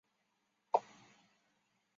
即有地质遗迹资源分布的地点。